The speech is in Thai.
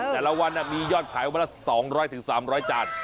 แต่ละวันมียอดขายวันละ๒๐๐๓๐๐จาน